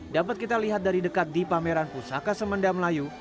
dapat kita lihat dari dekat di pameran pusaka semenda melayu